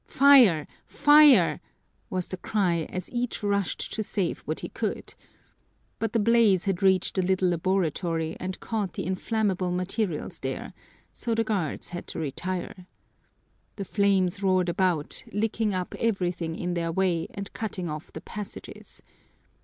"Fire! Fire!" was the cry, as each rushed to save what he could. But the blaze had reached the little laboratory and caught the inflammable materials there, so the guards had to retire. The flames roared about, licking up everything in their way and cutting off the passages.